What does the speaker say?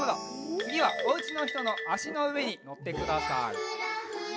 つぎはおうちのひとのあしのうえにのってください。